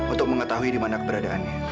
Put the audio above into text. untuk mengetahui dimana keberadaannya